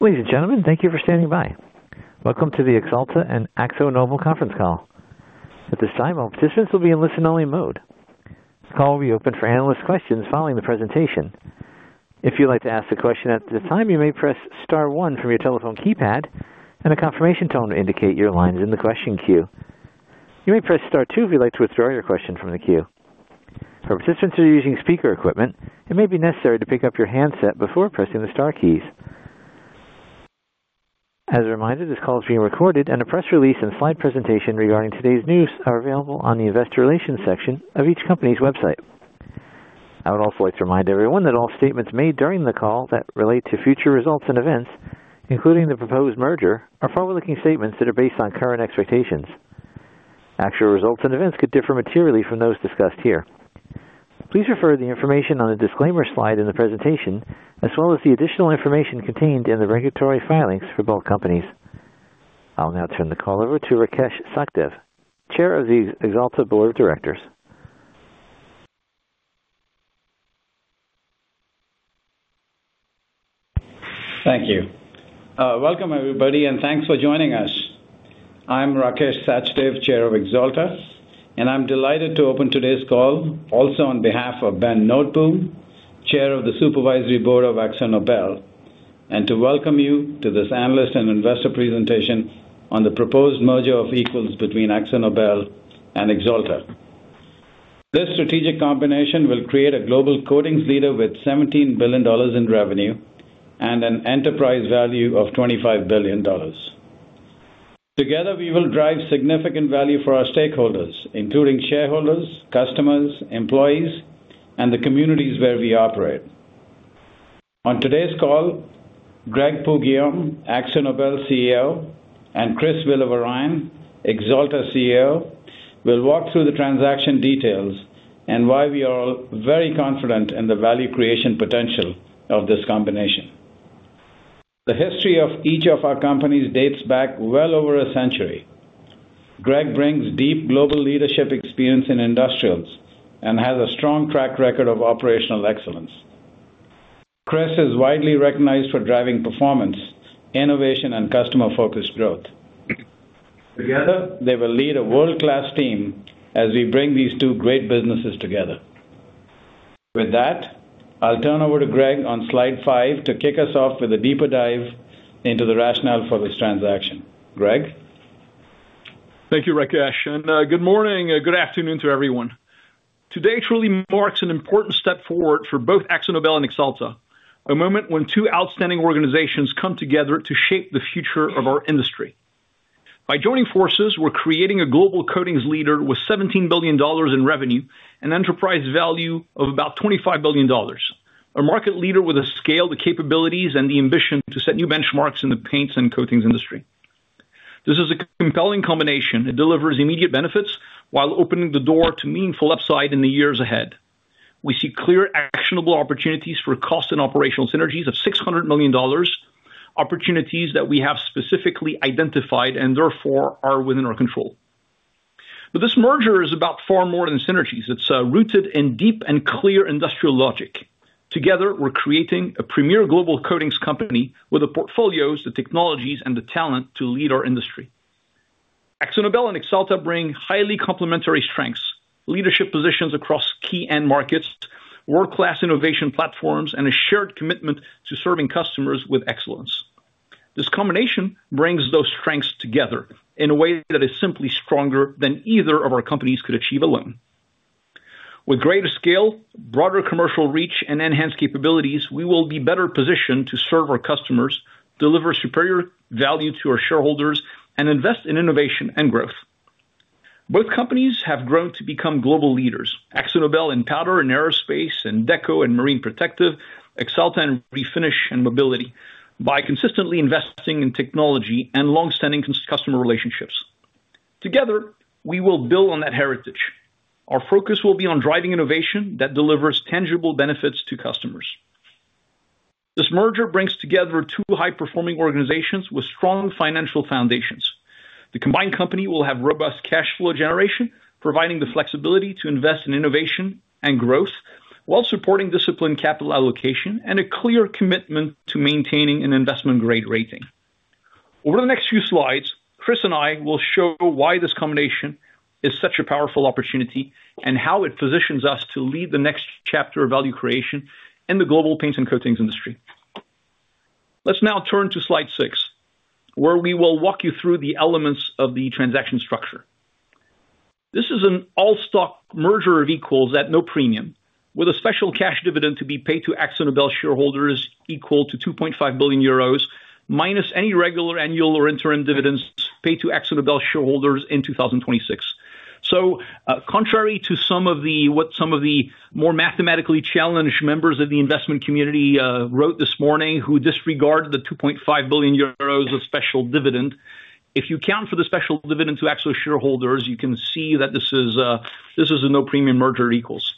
Ladies and gentlemen, thank you for standing by. Welcome to the Axalta and AkzoNobel conference call. At this time, all participants will be in listen-only mode. The call will be open for analyst questions following the presentation. If you'd like to ask a question at this time, you may press star one from your telephone keypad and a confirmation tone to indicate your line is in the question queue. You may press star two if you'd like to withdraw your question from the queue. For participants who are using speaker equipment, it may be necessary to pick up your handset before pressing the star keys. As a reminder, this call is being recorded, and a press release and slide presentation regarding today's news are available on the Investor Relations section of each company's website. I would also like to remind everyone that all statements made during the call that relate to future results and events, including the proposed merger, are forward-looking statements that are based on current expectations. Actual results and events could differ materially from those discussed here. Please refer to the information on the disclaimer slide in the presentation, as well as the additional information contained in the regulatory filings for both companies. I'll now turn the call over to Rakesh Sachdev, Chair of the Axalta Board of Directors. Thank you. Welcome, everybody, and thanks for joining us. I'm Rakesh Sachdev, Chair of Axalta, and I'm delighted to open today's call also on behalf of Ben Nootboom, Chair of the Supervisory Board of AkzoNobel, and to welcome you to this analyst and investor presentation on the proposed merger of equals between AkzoNobel and Axalta. This strategic combination will create a global coatings leader with $17 billion in revenue and an enterprise value of $25 billion. Together, we will drive significant value for our stakeholders, including shareholders, customers, employees, and the communities where we operate. On today's call, Greg Poux-Guillaume, AkzoNobel CEO, and Chris Villavarayan, Axalta CEO, will walk through the transaction details and why we are all very confident in the value creation potential of this combination. The history of each of our companies dates back well over a century. Greg brings deep global leadership experience in industrials and has a strong track record of operational excellence. Chris is widely recognized for driving performance, innovation, and customer-focused growth. Together, they will lead a world-class team as we bring these two great businesses together. With that, I'll turn over to Greg on slide five to kick us off with a deeper dive into the rationale for this transaction. Greg? Thank you, Rakesh. Good morning, good afternoon to everyone. Today truly marks an important step forward for both AkzoNobel and Axalta, a moment when two outstanding organizations come together to shape the future of our industry. By joining forces, we're creating a global coatings leader with $17 billion in revenue and enterprise value of about $25 billion, a market leader with the scale, the capabilities, and the ambition to set new benchmarks in the paints and coatings industry. This is a compelling combination. It delivers immediate benefits while opening the door to meaningful upside in the years ahead. We see clear, actionable opportunities for cost and operational synergies of $600 million, opportunities that we have specifically identified and therefore are within our control. This merger is about far more than synergies. It is rooted in deep and clear industrial logic. Together, we're creating a premier global coatings company with the portfolios, the technologies, and the talent to lead our industry. AkzoNobel and Axalta bring highly complementary strengths, leadership positions across key end markets, world-class innovation platforms, and a shared commitment to serving customers with excellence. This combination brings those strengths together in a way that is simply stronger than either of our companies could achieve alone. With greater scale, broader commercial reach, and enhanced capabilities, we will be better positioned to serve our customers, deliver superior value to our shareholders, and invest in innovation and growth. Both companies have grown to become global leaders: AkzoNobel in powder and aerospace, and Deco and Marine Protective, Axalta in refinish and mobility, by consistently investing in technology and long-standing customer relationships. Together, we will build on that heritage. Our focus will be on driving innovation that delivers tangible benefits to customers. This merger brings together two high-performing organizations with strong financial foundations. The combined company will have robust cash flow generation, providing the flexibility to invest in innovation and growth while supporting disciplined capital allocation and a clear commitment to maintaining an investment-grade rating. Over the next few slides, Chris and I will show why this combination is such a powerful opportunity and how it positions us to lead the next chapter of value creation in the global paints and coatings industry. Let's now turn to slide six, where we will walk you through the elements of the transaction structure. This is an all-stock merger of equals at no premium, with a special cash dividend to be paid to AkzoNobel shareholders equal to 2.5 billion euros, minus any regular annual or interim dividends paid to AkzoNobel shareholders in 2026. Contrary to what some of the more mathematically challenged members of the investment community wrote this morning, who disregarded the 2.5 billion euros of special dividend, if you count for the special dividend to AkzoNobel shareholders, you can see that this is a no-premium merger of equals.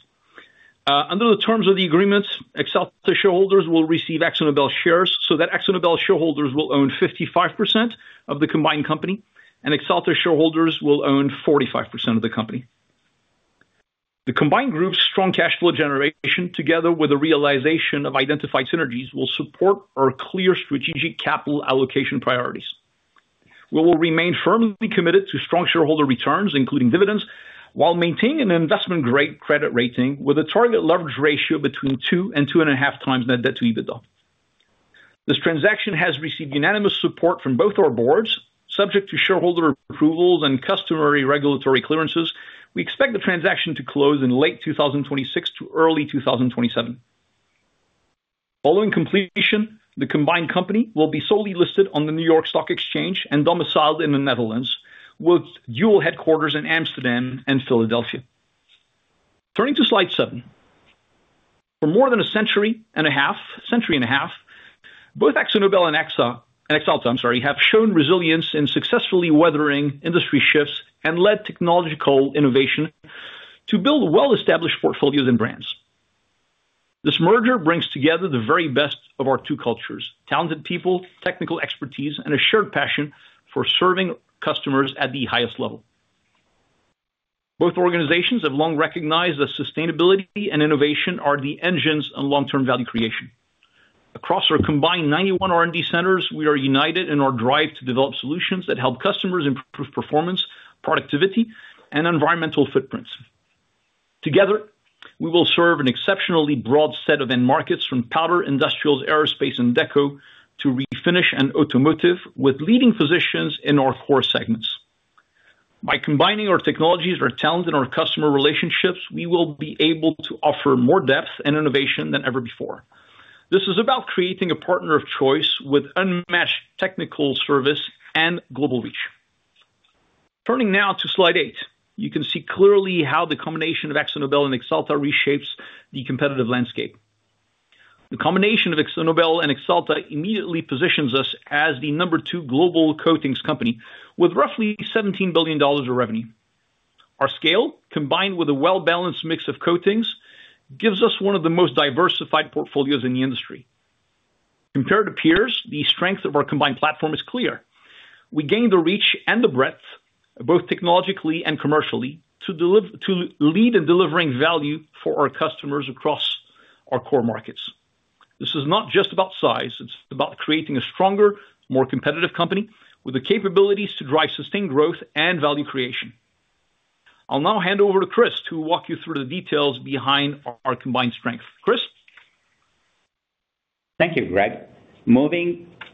Under the terms of the agreement, Axalta shareholders will receive AkzoNobel shares, so that AkzoNobel shareholders will own 55% of the combined company, and Axalta shareholders will own 45% of the company. The combined group's strong cash flow generation, together with the realization of identified synergies, will support our clear strategic capital allocation priorities. We will remain firmly committed to strong shareholder returns, including dividends, while maintaining an investment-grade credit rating with a target leverage ratio between 2x and 2.5x net debt to EBITDA. This transaction has received unanimous support from both our boards, subject to shareholder approvals and customary regulatory clearances. We expect the transaction to close in late 2026 to early 2027. Following completion, the combined company will be solely listed on the New York Stock Exchange and domiciled in the Netherlands, with dual headquarters in Amsterdam and Philadelphia. Turning to slide seven, for more than a century and a half, both AkzoNobel and Axalta, I'm sorry, have shown resilience in successfully weathering industry shifts and led technological innovation to build well-established portfolios and brands. This merger brings together the very best of our two cultures: talented people, technical expertise, and a shared passion for serving customers at the highest level. Both organizations have long recognized that sustainability and innovation are the engines of long-term value creation. Across our combined 91 R&D centers, we are united in our drive to develop solutions that help customers improve performance, productivity, and environmental footprints. Together, we will serve an exceptionally broad set of end markets, from powder industrials, aerospace, and Deco, to refinish and automotive, with leading positions in our core segments. By combining our technologies and our talent in our customer relationships, we will be able to offer more depth and innovation than ever before. This is about creating a partner of choice with unmatched technical service and global reach. Turning now to slide eight, you can see clearly how the combination of AkzoNobel and Axalta reshapes the competitive landscape. The combination of AkzoNobel and Axalta immediately positions us as the number two global coatings company with roughly $17 billion of revenue. Our scale, combined with a well-balanced mix of coatings, gives us one of the most diversified portfolios in the industry. Compared to peers, the strength of our combined platform is clear. We gain the reach and the breadth, both technologically and commercially, to lead in delivering value for our customers across our core markets. This is not just about size. It is about creating a stronger, more competitive company with the capabilities to drive sustained growth and value creation. I'll now hand over to Chris, who will walk you through the details behind our combined strength. Chris? Thank you, Greg.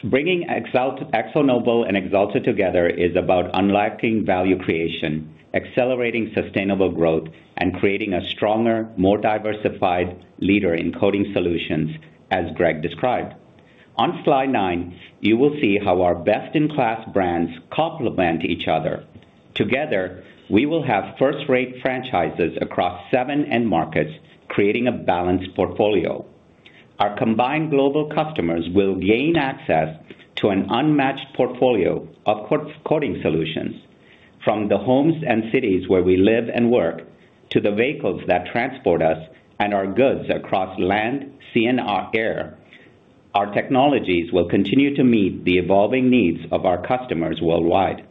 Bringing AkzoNobel and Axalta together is about unlocking value creation, accelerating sustainable growth, and creating a stronger, more diversified leader in coating solutions, as Greg described. On slide nine, you will see how our best-in-class brands complement each other. Together, we will have first-rate franchises across seven end markets, creating a balanced portfolio. Our combined global customers will gain access to an unmatched portfolio of coating solutions, from the homes and cities where we live and work to the vehicles that transport us and our goods across land, sea, and air. Our technologies will continue to meet the evolving needs of our customers worldwide.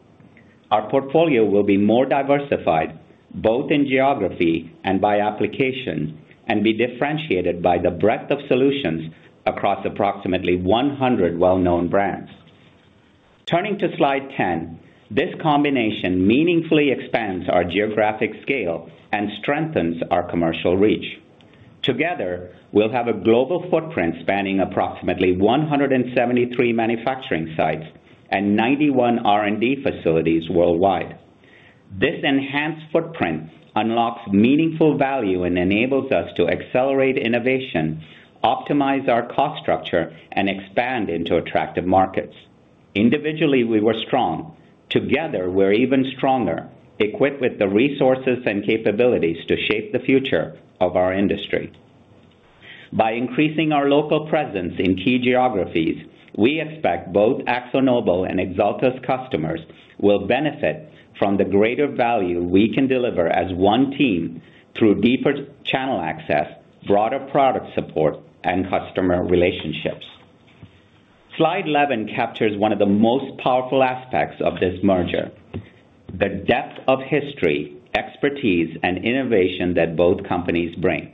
Our portfolio will be more diversified, both in geography and by application, and be differentiated by the breadth of solutions across approximately 100 well-known brands. Turning to slide 10, this combination meaningfully expands our geographic scale and strengthens our commercial reach. Together, we'll have a global footprint spanning approximately 173 manufacturing sites and 91 R&D facilities worldwide. This enhanced footprint unlocks meaningful value and enables us to accelerate innovation, optimize our cost structure, and expand into attractive markets. Individually, we were strong. Together, we're even stronger, equipped with the resources and capabilities to shape the future of our industry. By increasing our local presence in key geographies, we expect both AkzoNobel and Axalta's customers will benefit from the greater value we can deliver as one team through deeper channel access, broader product support, and customer relationships. Slide 11 captures one of the most powerful aspects of this merger: the depth of history, expertise, and innovation that both companies bring.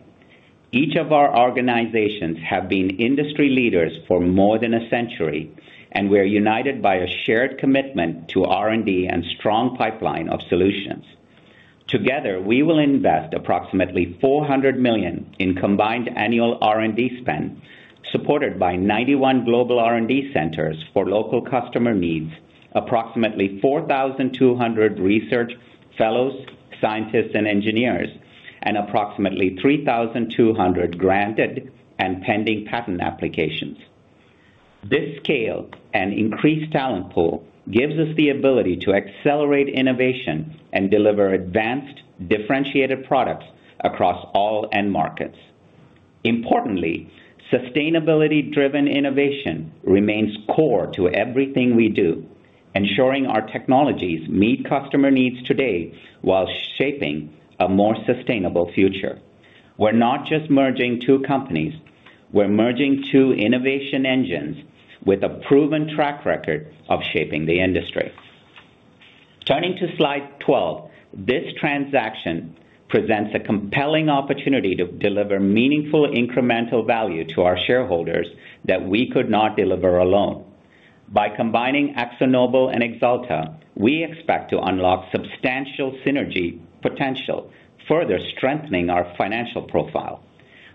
Each of our organizations has been industry leaders for more than a century, and we are united by a shared commitment to R&D and a strong pipeline of solutions. Together, we will invest approximately $400 million in combined annual R&D spend, supported by 91 global R&D centers for local customer needs, approximately 4,200 research fellows, scientists, and engineers, and approximately 3,200 granted and pending patent applications. This scale and increased talent pool gives us the ability to accelerate innovation and deliver advanced, differentiated products across all end markets. Importantly, sustainability-driven innovation remains core to everything we do, ensuring our technologies meet customer needs today while shaping a more sustainable future. We're not just merging two companies. We're merging two innovation engines with a proven track record of shaping the industry. Turning to Slide 12, this transaction presents a compelling opportunity to deliver meaningful incremental value to our shareholders that we could not deliver alone. By combining AkzoNobel and Axalta, we expect to unlock substantial synergy potential, further strengthening our financial profile.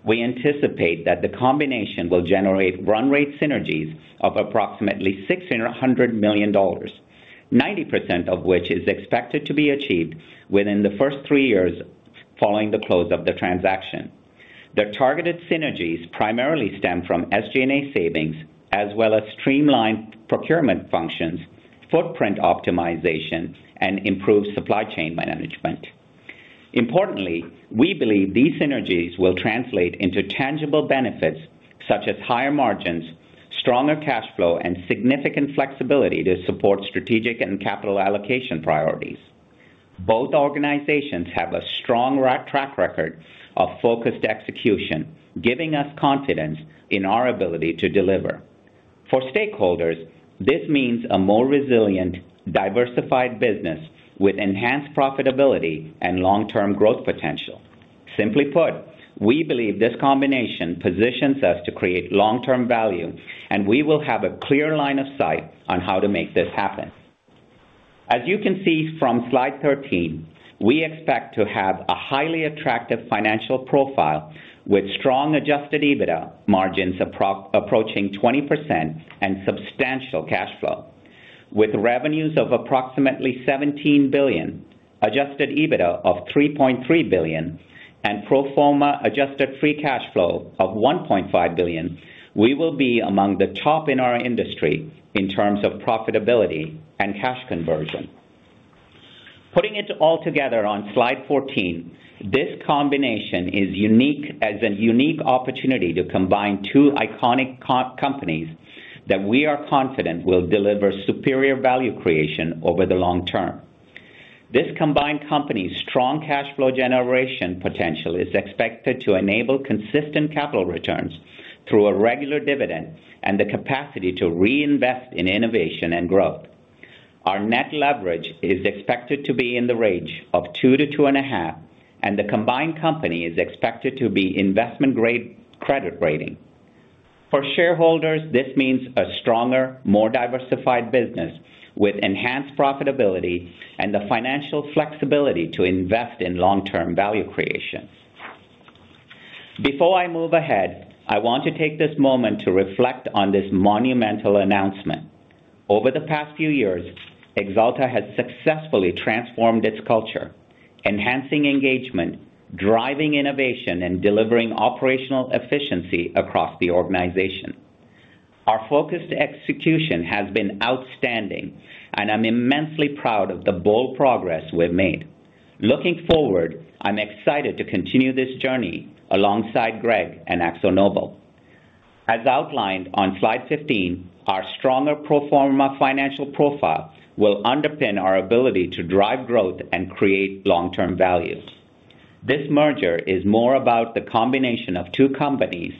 We anticipate that the combination will generate run-rate synergies of approximately $600 million, 90% of which is expected to be achieved within the first three years following the close of the transaction. The targeted synergies primarily stem from SG&A savings, as well as streamlined procurement functions, footprint optimization, and improved supply chain management. Importantly, we believe these synergies will translate into tangible benefits such as higher margins, stronger cash flow, and significant flexibility to support strategic and capital allocation priorities. Both organizations have a strong track record of focused execution, giving us confidence in our ability to deliver. For stakeholders, this means a more resilient, diversified business with enhanced profitability and long-term growth potential. Simply put, we believe this combination positions us to create long-term value, and we will have a clear line of sight on how to make this happen. As you can see from Slide 13, we expect to have a highly attractive financial profile with strong Adjusted EBITDA margins approaching 20% and substantial cash flow. With revenues of approximately $17 billion, Adjusted EBITDA of $3.3 billion, and pro forma adjusted free cash flow of $1.5 billion, we will be among the top in our industry in terms of profitability and cash conversion. Putting it all together on Slide 14, this combination is a unique opportunity to combine two iconic companies that we are confident will deliver superior value creation over the long-term. This combined company's strong cash flow generation potential is expected to enable consistent capital returns through a regular dividend and the capacity to reinvest in innovation and growth. Our net leverage is expected to be in the range of 2x and 2.5x, and the combined company is expected to be investment-grade credit rating. For shareholders, this means a stronger, more diversified business with enhanced profitability and the financial flexibility to invest in long-term value creation. Before I move ahead, I want to take this moment to reflect on this monumental announcement. Over the past few years, Axalta has successfully transformed its culture, enhancing engagement, driving innovation, and delivering operational efficiency across the organization. Our focused execution has been outstanding, and I'm immensely proud of the bold progress we've made. Looking forward, I'm excited to continue this journey alongside Greg and AkzoNobel. As outlined on slide 15, our stronger pro forma financial profile will underpin our ability to drive growth and create long-term value. This merger is more about the combination of two companies.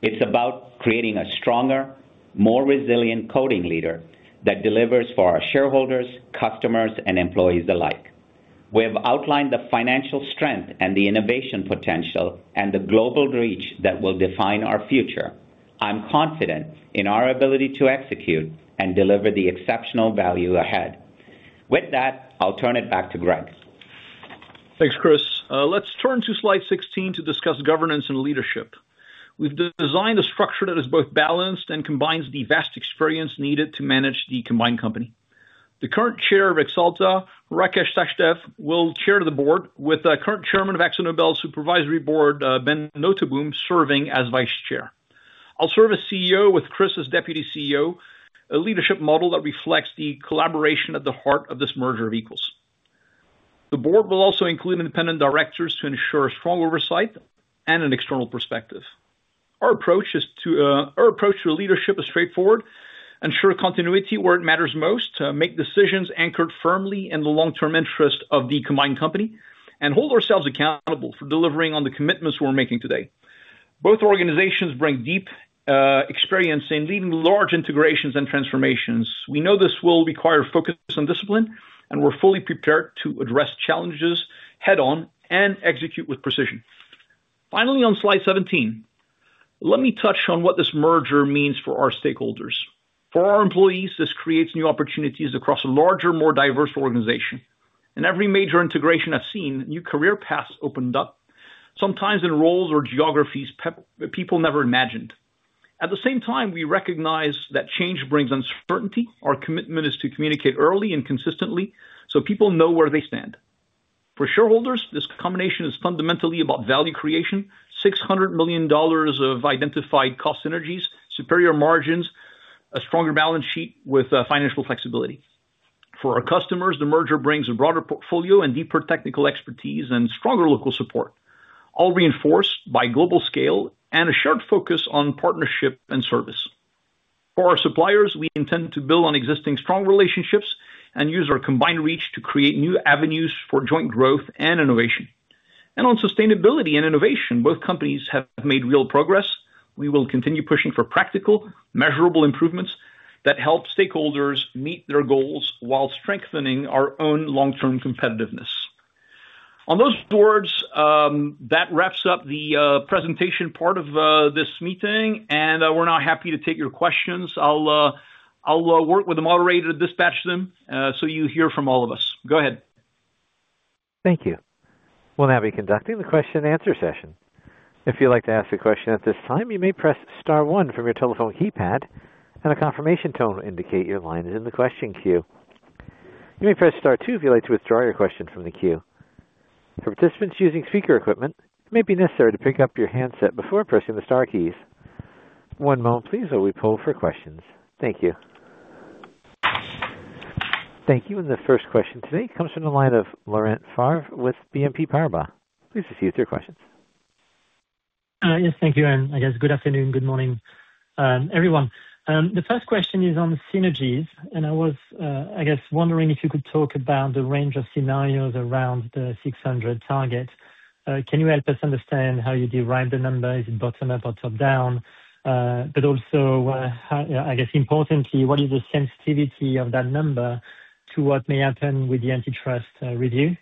It's about creating a stronger, more resilient coatings leader that delivers for our shareholders, customers, and employees alike. We have outlined the financial strength and the innovation potential and the global reach that will define our future. I'm confident in our ability to execute and deliver the exceptional value ahead. With that, I'll turn it back to Greg. Thanks, Chris. Let's turn to Slide 16 to discuss governance and leadership. We've designed a structure that is both balanced and combines the vast experience needed to manage the combined company. The current chair of Axalta, Rakesh Sachdev, will chair the board with the current chair of AkzoNobel's Supervisory Board, Ben Noteboom, serving as vice chair. I'll serve as CEO with Chris as Deputy CEO. A leadership model that reflects the collaboration at the heart of this merger of equals. The board will also include independent directors to ensure strong oversight and an external perspective. Our approach to leadership is straightforward: ensure continuity where it matters most, make decisions anchored firmly in the long-term interest of the combined company, and hold ourselves accountable for delivering on the commitments we're making today. Both organizations bring deep experience in leading large integrations and transformations. We know this will require focus and discipline, and we're fully prepared to address challenges head-on and execute with precision. Finally, on Slide 17, let me touch on what this merger means for our stakeholders. For our employees, this creates new opportunities across a larger, more diverse organization. In every major integration I've seen, new career paths opened up, sometimes in roles or geographies people never imagined. At the same time, we recognize that change brings uncertainty. Our commitment is to communicate early and consistently so people know where they stand. For shareholders, this combination is fundamentally about value creation: $600 million of identified cost synergies, superior margins, a stronger balance sheet with financial flexibility. For our customers, the merger brings a broader portfolio and deeper technical expertise and stronger local support, all reinforced by global scale and a shared focus on partnership and service. For our suppliers, we intend to build on existing strong relationships and use our combined reach to create new avenues for joint growth and innovation. On sustainability and innovation, both companies have made real progress. We will continue pushing for practical, measurable improvements that help stakeholders meet their goals while strengthening our own long-term competitiveness. On those words, that wraps up the presentation part of this meeting, and we're now happy to take your questions. I'll work with the moderator to dispatch them so you hear from all of us. Go ahead. Thank you. We'll now be conducting the question-and-answer session. If you'd like to ask a question at this time, you may press star one from your telephone keypad, and a confirmation tone will indicate your line is in the question queue. You may press star two if you'd like to withdraw your question from the queue. For participants using speaker equipment, it may be necessary to pick up your handset before pressing the star keys. One moment, please, while we pull for questions. Thank you. Thank you. The first question today comes from the line of Laurent Favre with BNP Paribas. Please proceed with your questions. Yes, thank you. I guess good afternoon, good morning, everyone. The first question is on synergies, and I was, I guess, wondering if you could talk about the range of scenarios around the 600 target. Can you help us understand how you derive the numbers? Is it bottom-up or top-down? I guess, importantly, what is the sensitivity of that number to what may happen with the antitrust review?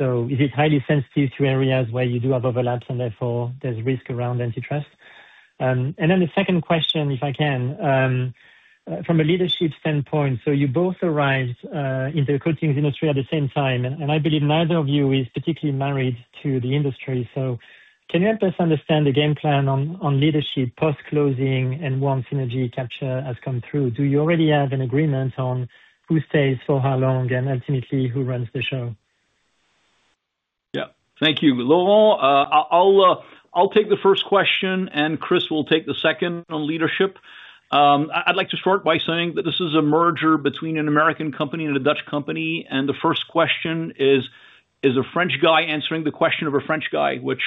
Is it highly sensitive to areas where you do have overlaps, and therefore there's risk around antitrust? The second question, if I can, from a leadership standpoint. You both arrived in the coatings industry at the same time, and I believe neither of you is particularly married to the industry. Can you help us understand the game plan on leadership post-closing and once synergy capture has come through? Do you already have an agreement on who stays for how long and ultimately who runs the show? Yeah. Thank you, Laurent. I'll take the first question, and Chris will take the second on leadership. I'd like to start by saying that this is a merger between an American company and a Dutch company, and the first question is, is a French guy answering the question of a French guy, which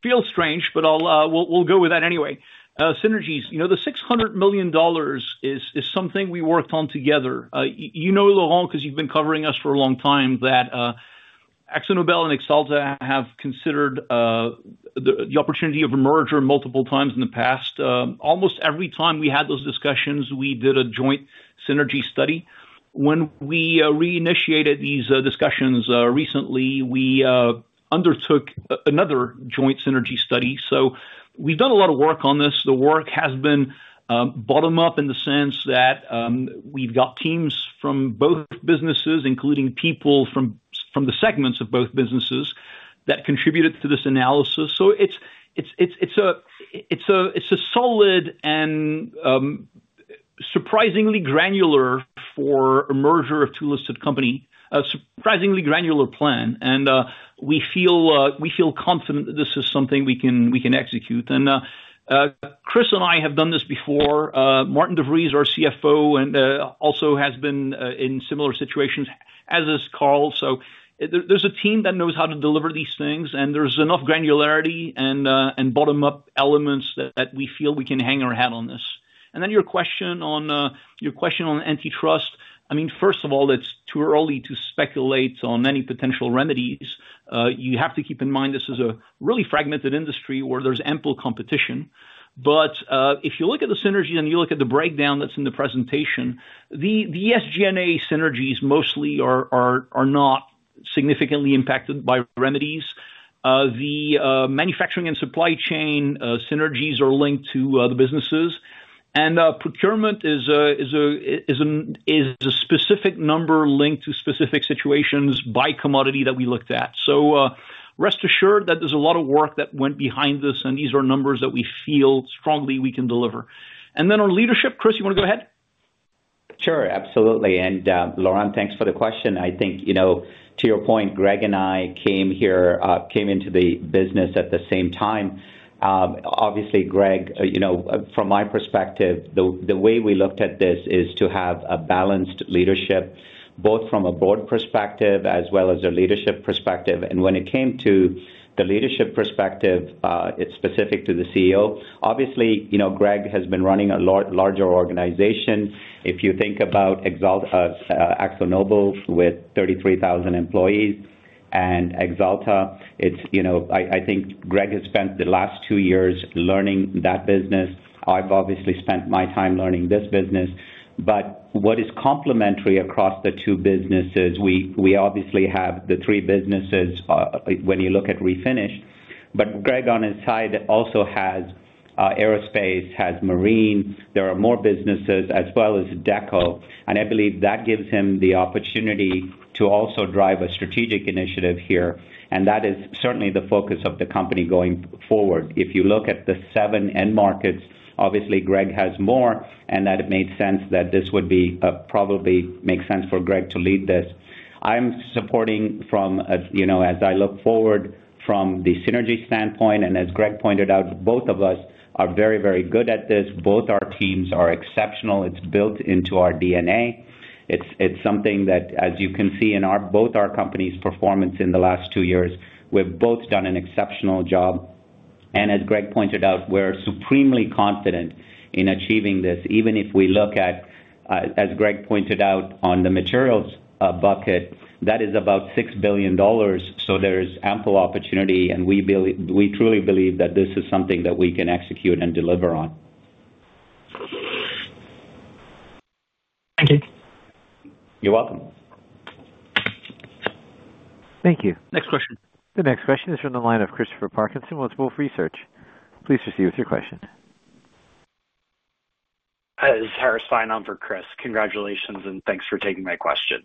feels strange, but we'll go with that anyway. Synergies, the $600 million is something we worked on together. You know, Laurent, because you've been covering us for a long time, that AkzoNobel and Axalta have considered the opportunity of a merger multiple times in the past. Almost every time we had those discussions, we did a joint synergy study. When we reinitiated these discussions recently, we undertook another joint synergy study. So we've done a lot of work on this. The work has been bottom-up in the sense that we've got teams from both businesses, including people from the segments of both businesses that contributed to this analysis. It is a solid and surprisingly granular, for a merger of two listed companies, a surprisingly granular plan. We feel confident that this is something we can execute. Chris and I have done this before. Maarten de Vries, our CFO, also has been in similar situations, as has Carl. There is a team that knows how to deliver these things, and there is enough granularity and bottom-up elements that we feel we can hang our hat on this. Your question on antitrust, I mean, first of all, it is too early to speculate on any potential remedies. You have to keep in mind this is a really fragmented industry where there is ample competition. If you look at the synergies and you look at the breakdown that's in the presentation, the SG&A synergies mostly are not significantly impacted by remedies. The manufacturing and supply chain synergies are linked to the businesses. Procurement is a specific number linked to specific situations by commodity that we looked at. Rest assured that there's a lot of work that went behind this, and these are numbers that we feel strongly we can deliver. On leadership, Chris, you want to go ahead? Sure, absolutely. Laurent, thanks for the question. I think, to your point, Greg and I came into the business at the same time. Obviously, Greg, from my perspective, the way we looked at this is to have a balanced leadership, both from a broad perspective as well as a leadership perspective. When it came to the leadership perspective, it's specific to the CEO. Obviously, Greg has been running a larger organization. If you think about AkzoNobel with 33,000 employees and Axalta, I think Greg has spent the last two years learning that business. I've obviously spent my time learning this business. What is complementary across the two businesses, we obviously have the three businesses when you look at refinish. Greg, on his side, also has aerospace, has marine. There are more businesses as well as Deco. I believe that gives him the opportunity to also drive a strategic initiative here. That is certainly the focus of the company going forward. If you look at the seven end markets, obviously, Greg has more, and it made sense that this would probably make sense for Greg to lead this. I'm supporting from, as I look forward from the synergy standpoint, and as Greg pointed out, both of us are very, very good at this. Both our teams are exceptional. It's built into our DNA. It's something that, as you can see in both our companies' performance in the last two years, we've both done an exceptional job. As Greg pointed out, we're supremely confident in achieving this. Even if we look at, as Greg pointed out, on the materials bucket, that is about $6 billion. There is ample opportunity, and we truly believe that this is something that we can execute and deliver on. Thank you. You're welcome. Thank you. Next question. The next question is from the line of Christopher Parkinson, Wolfe Research. Please proceed with your question. This is Harris sign on for Chris. Congratulations, and thanks for taking my question.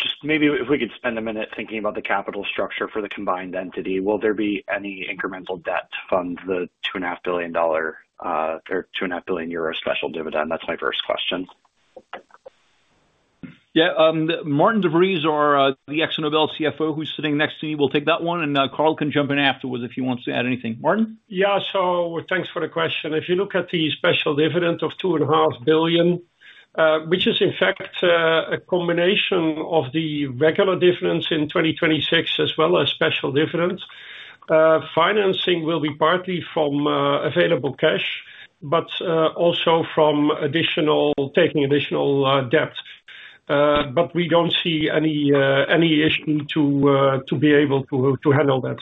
Just maybe if we could spend a minute thinking about the capital structure for the combined entity, will there be any incremental debt to fund the $2.5 billion or 2.5 billion euro special dividend? That's my first question. Yeah. Maarten de Vries, or the AkzoNobel CFO, who's sitting next to me, will take that one. Carl can jump in afterwards if he wants to add anything. Maarten? Yeah. Thanks for the question. If you look at the special dividend of $2.5 billion, which is in fact a combination of the regular dividends in 2026 as well as special dividends, financing will be partly from available cash, but also from taking additional debt. We do not see any issue to be able to handle that.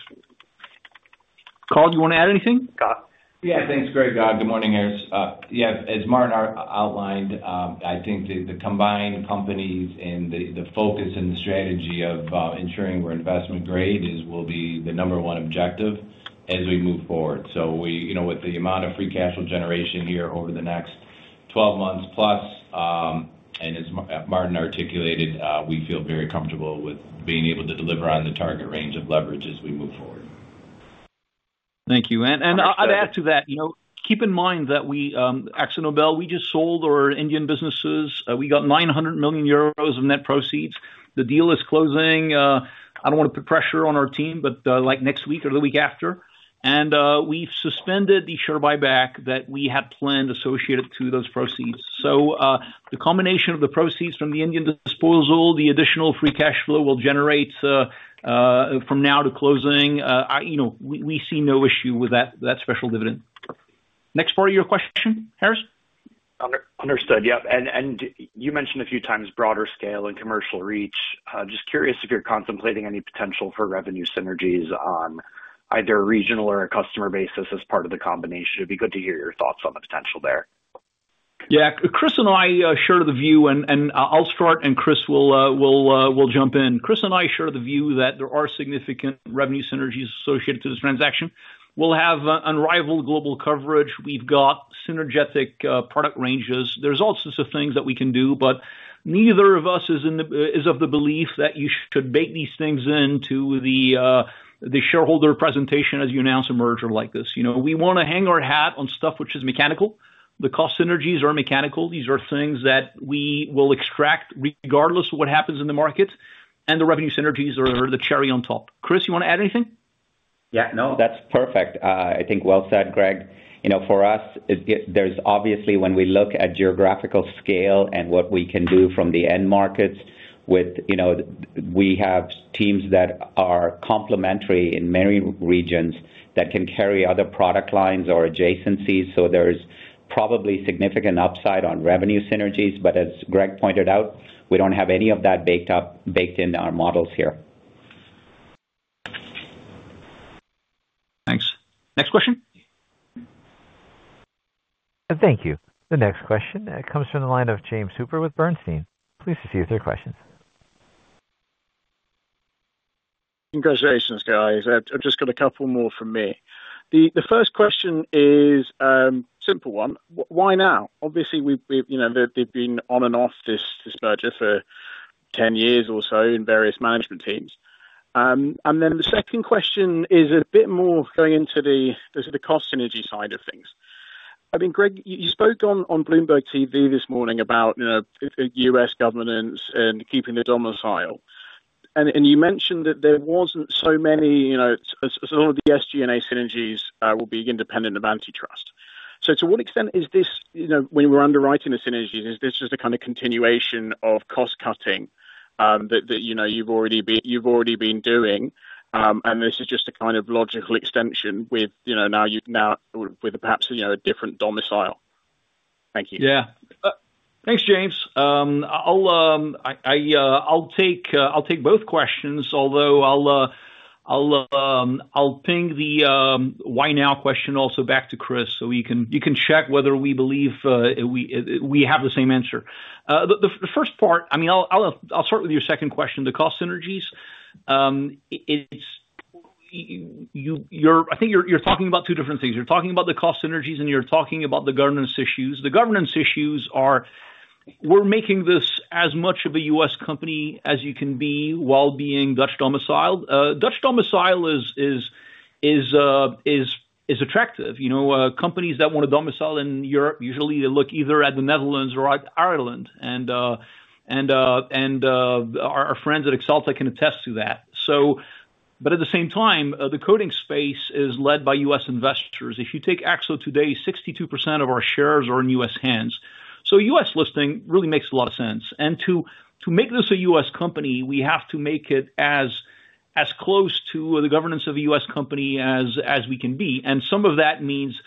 Carl, do you want to add anything? Yeah. Thanks, Greg. Good morning, Harris. Yeah. As Maarten outlined, I think the combined companies and the focus and the strategy of ensuring we're investment grade will be the number one objective as we move forward. With the amount of free cash flow generation here over the next 12 months plus, and as Martin articulated, we feel very comfortable with being able to deliver on the target range of leverage as we move forward. Thank you. I'd add to that, keep in mind that Akzo Nobel, we just sold our Indian businesses. We got 900 million euros of net proceeds. The deal is closing. I don't want to put pressure on our team, but like next week or the week after. We've suspended the share buyback that we had planned associated to those proceeds. The combination of the proceeds from the Indian disposal, the additional free cash flow we will generate from now to closing. We see no issue with that special dividend. Next part of your question, Harris? Understood. Yeah. You mentioned a few times broader scale and commercial reach. Just curious if you're contemplating any potential for revenue synergies on either a regional or a customer basis as part of the combination. It'd be good to hear your thoughts on the potential there. Yeah. Chris and I share the view, and I'll start, and Chris will jump in. Chris and I share the view that there are significant revenue synergies associated to this transaction. We'll have unrivaled global coverage. We've got synergetic product ranges. There's all sorts of things that we can do, but neither of us is of the belief that you should bake these things into the shareholder presentation as you announce a merger like this. We want to hang our hat on stuff which is mechanical. The cost synergies are mechanical. These are things that we will extract regardless of what happens in the market. The revenue synergies are the cherry on top. Chris, you want to add anything? Yeah. No, that's perfect. I think well said, Greg. For us, there's obviously when we look at geographical scale and what we can do from the end markets, we have teams that are complementary in many regions that can carry other product lines or adjacencies. There is probably significant upside on revenue synergies. As Greg pointed out, we do not have any of that baked into our models here. Thanks. Next question. Thank you. The next question comes from the line of James Hooper with Bernstein. Please proceed with your questions. Congratulations, guys. I've just got a couple more from me. The first question is a simple one. Why now? Obviously, they've been on and off this merger for 10 years or so in various management teams. The second question is a bit more going into the cost synergy side of things. I mean, Greg, you spoke on Bloomberg TV this morning about U.S. governance and keeping the domicile. You mentioned that there wasn't so many as all of the SG&A synergies will be independent of antitrust. To what extent is this, when we're underwriting the synergies, just a kind of continuation of cost cutting that you've already been doing? Is this just a kind of logical extension with now perhaps a different domicile? Thank you. Yeah. Thanks, James. I'll take both questions, although I'll ping the why now question also back to Chris so you can check whether we believe we have the same answer. The first part, I mean, I'll start with your second question, the cost synergies. I think you're talking about two different things. You're talking about the cost synergies, and you're talking about the governance issues. The governance issues are, we're making this as much of a U.S. company as you can be while being Dutch domiciled. Dutch domicile is attractive. Companies that want to domicile in Europe, usually they look either at the Netherlands or Ireland. And our friends at Axalta can attest to that. At the same time, the coatings space is led by U.S. investors. If you take AkzoNobel today, 62% of our shares are in U.S. hands. U.S. listing really makes a lot of sense. To make this a U.S. company, we have to make it as close to the governance of a U.S. company as we can be. Some of that means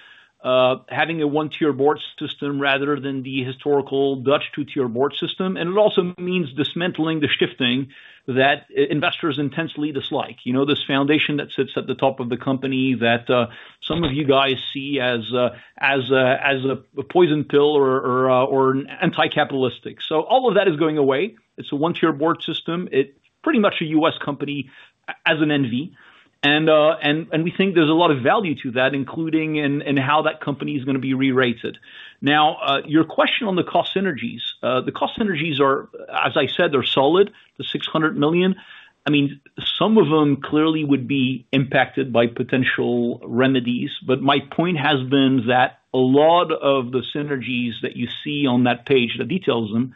having a one-tier board system rather than the historical Dutch two-tier board system. It also means dismantling the shifting that investors intensely dislike. This foundation that sits at the top of the company that some of you guys see as a poison pill or anti-capitalistic. All of that is going away. It is a one-tier board system. It is pretty much a U.S. company as an NV. We think there is a lot of value to that, including in how that company is going to be re-rated. Now, your question on the cost synergies. The cost synergies are, as I said, they are solid, the $600 million. I mean, some of them clearly would be impacted by potential remedies. My point has been that a lot of the synergies that you see on that page that details them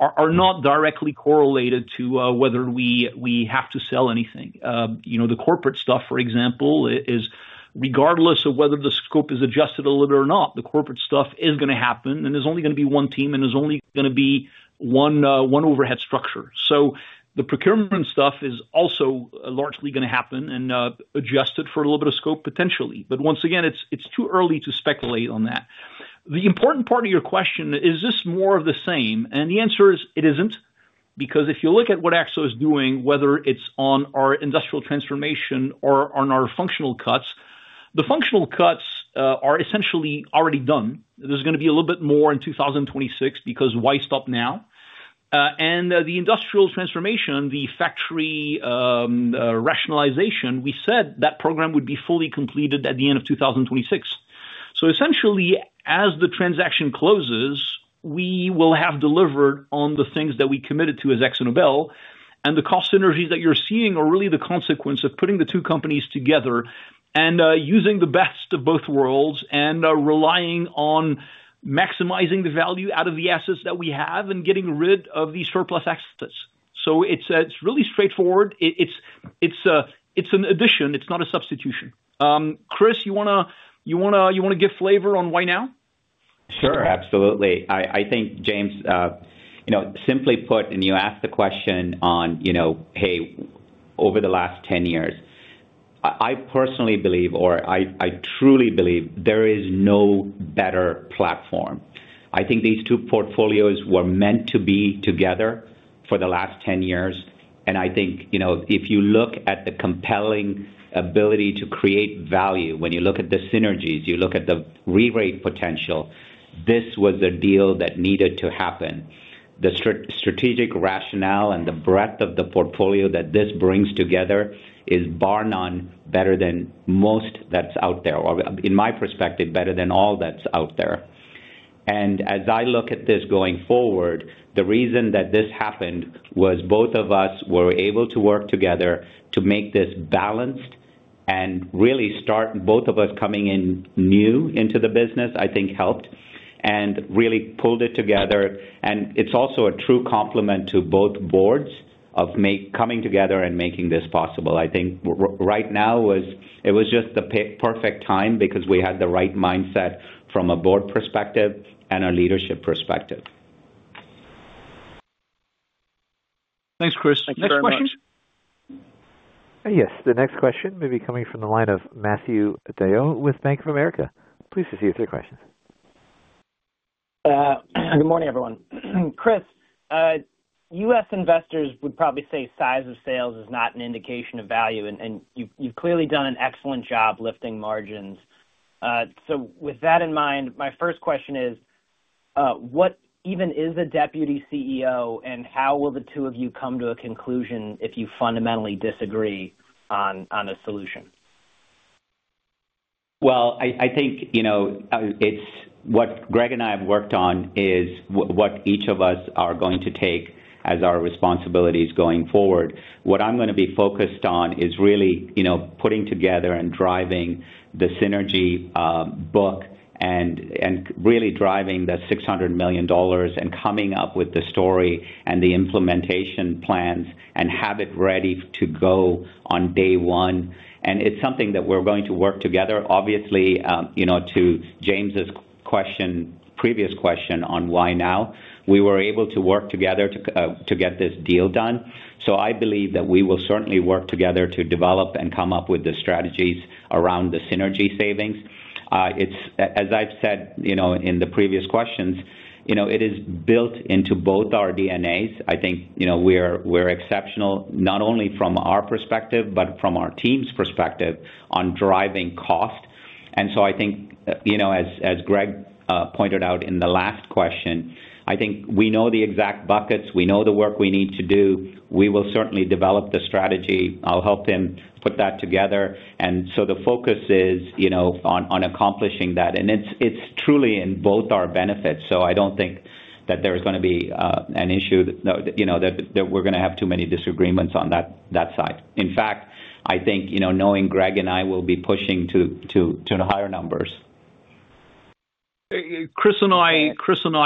are not directly correlated to whether we have to sell anything. The corporate stuff, for example, is regardless of whether the scope is adjusted a little bit or not, the corporate stuff is going to happen. There is only going to be one team, and there is only going to be one overhead structure. The procurement stuff is also largely going to happen and adjusted for a little bit of scope potentially. Once again, it is too early to speculate on that. The important part of your question, is this more of the same? The answer is it is not. If you look at what AkzoNobel is doing, whether it is on our industrial transformation or on our functional cuts, the functional cuts are essentially already done. There's going to be a little bit more in 2026 because why stop now? The industrial transformation, the factory rationalization, we said that program would be fully completed at the end of 2026. Essentially, as the transaction closes, we will have delivered on the things that we committed to as AkzoNobel. The cost synergies that you're seeing are really the consequence of putting the two companies together and using the best of both worlds and relying on maximizing the value out of the assets that we have and getting rid of the surplus assets. It's really straightforward. It's an addition. It's not a substitution. Chris, you want to give flavor on why now? Sure. Absolutely. I think, James, simply put, and you asked the question on, hey, over the last 10 years, I personally believe, or I truly believe, there is no better platform. I think these two portfolios were meant to be together for the last 10 years. I think if you look at the compelling ability to create value, when you look at the synergies, you look at the re-rate potential, this was a deal that needed to happen. The strategic rationale and the breadth of the portfolio that this brings together is bar none better than most that's out there, or in my perspective, better than all that's out there. As I look at this going forward, the reason that this happened was both of us were able to work together to make this balanced and really start both of us coming in new into the business, I think helped and really pulled it together. It is also a true complement to both boards of coming together and making this possible. I think right now it was just the perfect time because we had the right mindset from a board perspective and a leadership perspective. Thanks, Chris. Next question. Yes. The next question may be coming from the line of Matthew Davies with Bank of America. Please proceed with your questions. Good morning, everyone. Chris, U.S. investors would probably say size of sales is not an indication of value. And you've clearly done an excellent job lifting margins. With that in mind, my first question is, what even is a Deputy CEO, and how will the two of you come to a conclusion if you fundamentally disagree on a solution? I think what Greg and I have worked on is what each of us are going to take as our responsibilities going forward. What I'm going to be focused on is really putting together and driving the synergy book and really driving the $600 million and coming up with the story and the implementation plans and have it ready to go on day one. It is something that we're going to work together. Obviously, to James's previous question on why now, we were able to work together to get this deal done. I believe that we will certainly work together to develop and come up with the strategies around the synergy savings. As I've said in the previous questions, it is built into both our DNAs. I think we're exceptional not only from our perspective, but from our team's perspective on driving cost. I think, as Greg pointed out in the last question, I think we know the exact buckets. We know the work we need to do. We will certainly develop the strategy. I'll help him put that together. The focus is on accomplishing that. It is truly in both our benefits. I do not think that there is going to be an issue that we are going to have too many disagreements on that side. In fact, I think knowing Greg and I will be pushing to higher numbers. Chris and I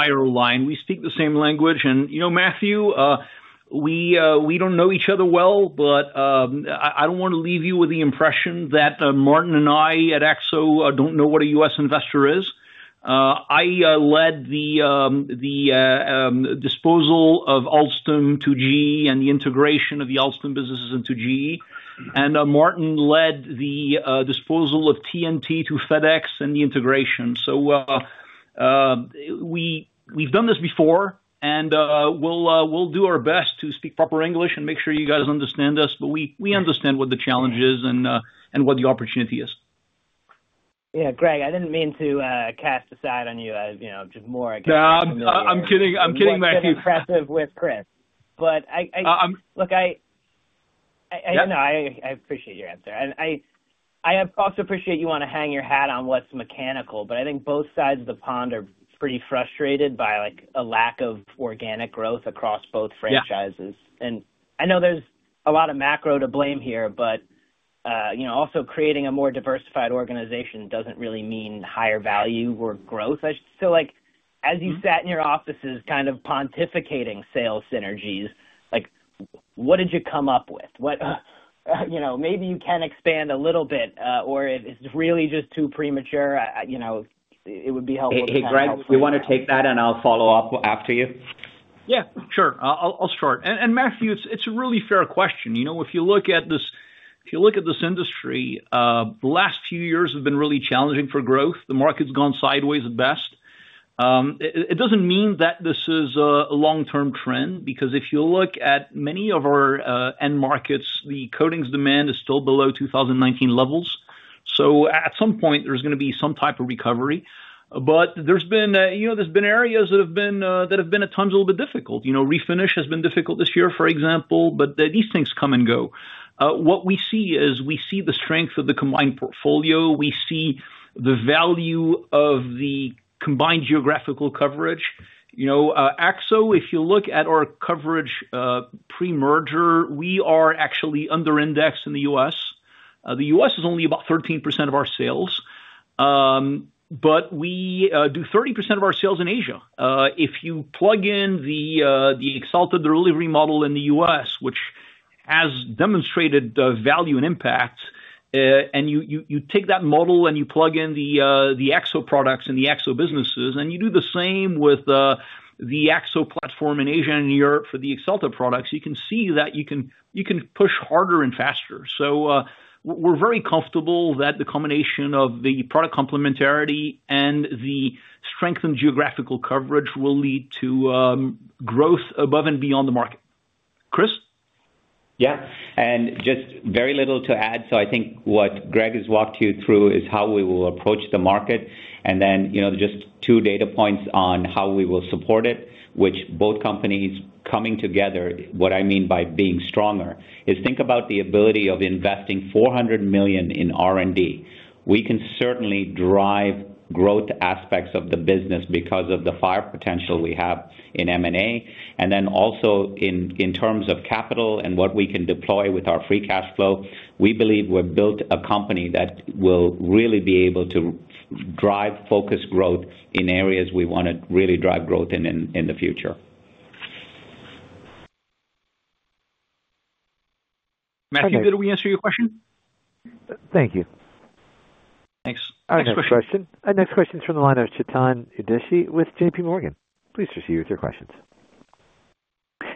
are aligned. We speak the same language. Matthew, we don't know each other well, but I don't want to leave you with the impression that Martin and I at AkzoNobel don't know what a U.S. investor is. I led the disposal of Alstom to GE and the integration of the Alstom businesses into GE. Maarten led the disposal of T&T to FedEx and the integration. We've done this before, and we'll do our best to speak proper English and make sure you guys understand us. We understand what the challenge is and what the opportunity is. Yeah, Greg, I didn't mean to cast aside on you. Just more against. No, I'm kidding. I'm kidding, Matthew. I'm very impressive with Chris. Look, I appreciate your answer. I also appreciate you want to hang your hat on what's mechanical, but I think both sides of the pond are pretty frustrated by a lack of organic growth across both franchises. I know there's a lot of macro to blame here, but also creating a more diversified organization doesn't really mean higher value or growth. As you sat in your offices kind of pontificating sales synergies, what did you come up with? Maybe you can expand a little bit, or is it really just too premature? It would be helpful to have helpful. Hey, Greg, we want to take that, and I'll follow up after you. Yeah, sure. I'll start. Matthew, it's a really fair question. If you look at this industry, the last few years have been really challenging for growth. The market's gone sideways at best. It doesn't mean that this is a long-term trend because if you look at many of our end markets, the quoting demand is still below 2019 levels. At some point, there's going to be some type of recovery. There's been areas that have been at times a little bit difficult. Refinish has been difficult this year, for example, but these things come and go. What we see is we see the strength of the combined portfolio. We see the value of the combined geographical coverage. Akzo, if you look at our coverage pre-merger, we are actually under-indexed in the U.S. The U.S. is only about 13% of our sales, but we do 30% of our sales in Asia. If you plug in the Axalta delivery model in the U.S., which has demonstrated value and impact, and you take that model and you plug in the AkzoNobel products and the AkzoNobel businesses, and you do the same with the AkzoNobel platform in Asia and Europe for the Axalta products, you can see that you can push harder and faster. We are very comfortable that the combination of the product complementarity and the strengthened geographical coverage will lead to growth above and beyond the market. Chris? Yeah. Just very little to add. I think what Greg has walked you through is how we will approach the market. Just two data points on how we will support it, with both companies coming together. What I mean by being stronger is, think about the ability of investing 400 million in R&D. We can certainly drive growth aspects of the business because of the fire potential we have in M&A. Also, in terms of capital and what we can deploy with our free cash flow, we believe we have built a company that will really be able to drive focused growth in areas we want to really drive growth in in the future. Matthew, did we answer your question? Thank you. Thanks. Next question. Next question is from the line of Chetan Udeshi with JPMorgan. Please proceed with your questions.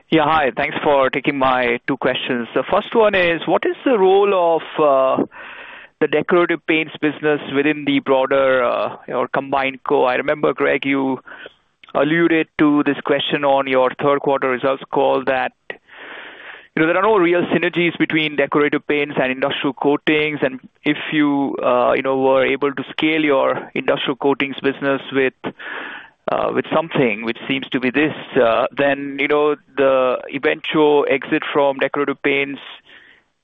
Yeah, hi. Thanks for taking my two questions. The first one is, what is the role of the Decorative Paints business within the broader combined core? I remember, Greg, you alluded to this question on your third-quarter results call that there are no real synergies between Decorative Paints and industrial coatings. If you were able to scale your industrial coatings business with something, which seems to be this, then the eventual exit from Decorative Paints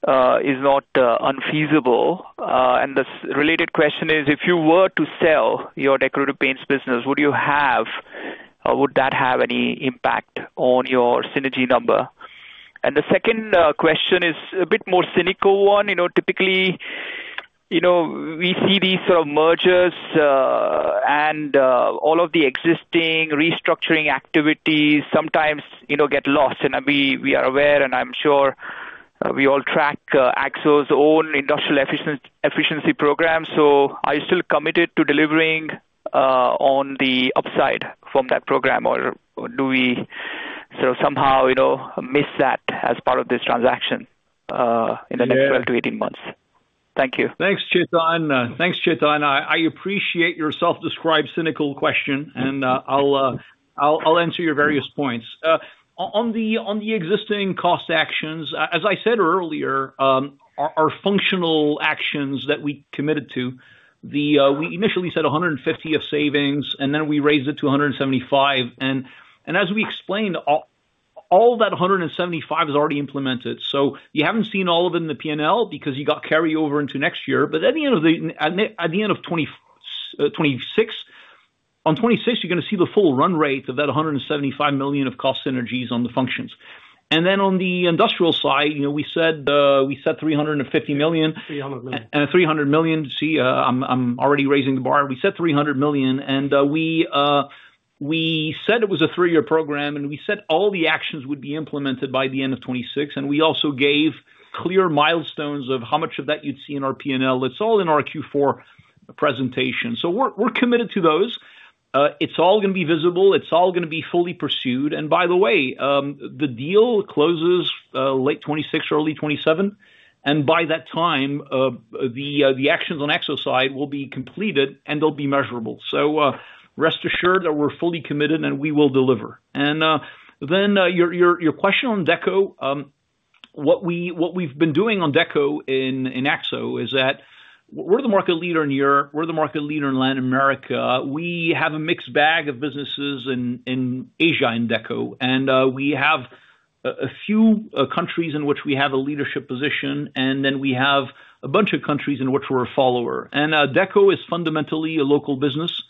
is not unfeasible. The related question is, if you were to sell your Decorative Paints business, would you have or would that have any impact on your synergy number? The second question is a bit more cynical one. Typically, we see these sort of mergers and all of the existing restructuring activities sometimes get lost. We are aware, and I'm sure we all track AkzoNobel's own industrial efficiency program. Are you still committed to delivering on the upside from that program, or do we sort of somehow miss that as part of this transaction in the next 12 to 18 months? Thank you. Thanks, Chetan. I appreciate your self-described cynical question, and I'll answer your various points. On the existing cost actions, as I said earlier, our functional actions that we committed to, we initially said 150 of savings, and then we raised it to 175 million. And as we explained, all that 175 million is already implemented. You have not seen all of it in the P&L because you got carryover into next year. At the end of 2026, you are going to see the full run rate of that 175 million of cost synergies on the functions. On the industrial side, we said 350 million. 300 million. And 300 million. See, I am already raising the bar. We said 300 million. We said it was a three-year program, and we said all the actions would be implemented by the end of 2026. We also gave clear milestones of how much of that you'd see in our P&L. It's all in our Q4 presentation. We're committed to those. It's all going to be visible. It's all going to be fully pursued. By the way, the deal closes late 2026, early 2027. By that time, the actions on Akzo's side will be completed, and they'll be measurable. Rest assured that we're fully committed, and we will deliver. Your question on Deco, what we've been doing on Deco in Akzo is that we're the market leader in Europe. We're the market leader in Latin America. We have a mixed bag of businesses in Asia in Deco. We have a few countries in which we have a leadership position, and then we have a bunch of countries in which we're a follower. Deco is fundamentally a local business,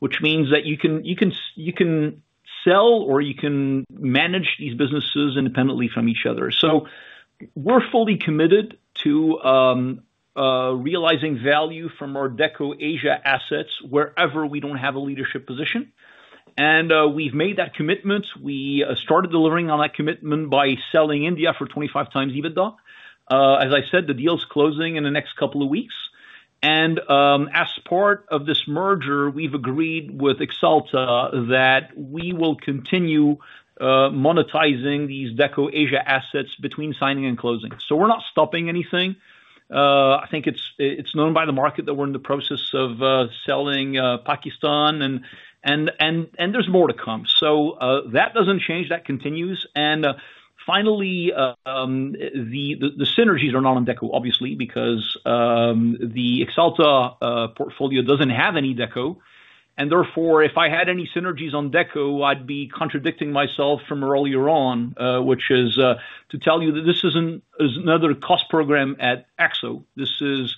which means that you can sell or you can manage these businesses independently from each other. We are fully committed to realizing value from our Deco Asia assets wherever we do not have a leadership position. We have made that commitment. We started delivering on that commitment by selling India for 25x EBITDA. As I said, the deal is closing in the next couple of weeks. As part of this merger, we have agreed with Axalta that we will continue monetizing these Deco Asia assets between signing and closing. We are not stopping anything. I think it is known by the market that we are in the process of selling Pakistan, and there is more to come. That does not change. That continues. Finally, the synergies are not on Deco, obviously, because the Axalta portfolio does not have any Deco. Therefore, if I had any synergies on Deco, I'd be contradicting myself from earlier on, which is to tell you that this is another cost program at AkzoNobel. This is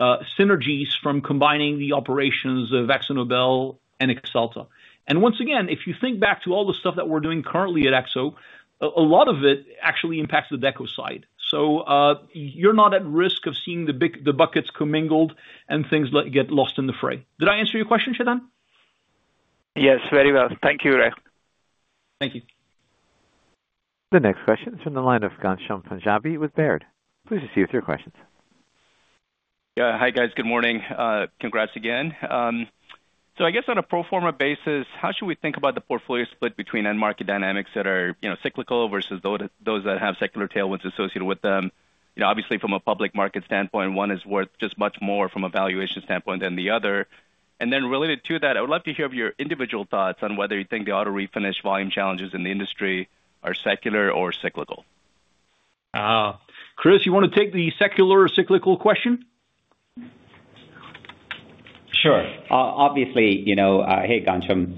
synergies from combining the operations of AkzoNobel and Axalta. Once again, if you think back to all the stuff that we're doing currently at AkzoNobel, a lot of it actually impacts the Deco side. You're not at risk of seeing the buckets commingled and things get lost in the fray. Did I answer your question, Chetan? Yes, very well. Thank you, Greg. Thank you. The next question is from the line of Ghansham Panjabi with Baird. Please proceed with your questions. Yeah. Hi, guys. Good morning. Congrats again. I guess on a pro forma basis, how should we think about the portfolio split between end market dynamics that are cyclical versus those that have secular tailwinds associated with them? Obviously, from a public market standpoint, one is worth just much more from a valuation standpoint than the other. Related to that, I would love to hear your individual thoughts on whether you think the auto refinish volume challenges in the industry are secular or cyclical. Chris, you want to take the secular or cyclical question? Sure. Obviously, hey, Ghansham,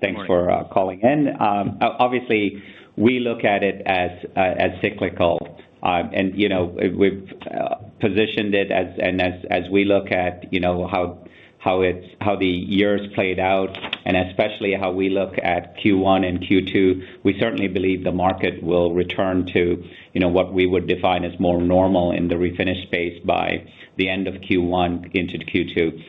thanks for calling in. Obviously, we look at it as cyclical, and we've positioned it as we look at how the years played out, and especially how we look at Q1 and Q2. We certainly believe the market will return to what we would define as more normal in the refinish space by the end of Q1 into Q2.